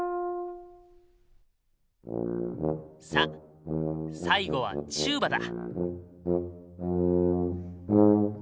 さあ最後はチューバだ。